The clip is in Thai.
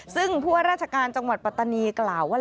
ซึ่งผู้ว่าราชการจังหวัดปัตตานีกล่าวว่า